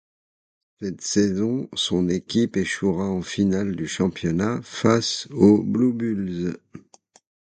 Cette saison, son équipe échouera en finale du championnat face aux Blue Bulls.